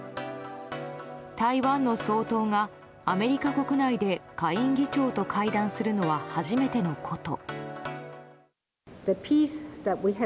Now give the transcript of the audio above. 台湾の総統がアメリカ国内で下院議長と会談するのは初めてのこと。